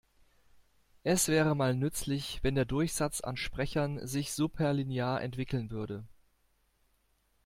Es wäre mal nützlich, wenn der Durchsatz an Sprechern sich superlinear entwickeln würde.